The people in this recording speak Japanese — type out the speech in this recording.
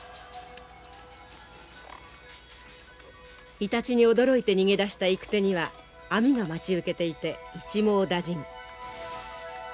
イタチに驚いて逃げ出した行く手には網が待ち受けていて一網打尽。